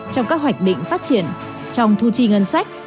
trong các hoạch định phát triển trong thu chi ngân sách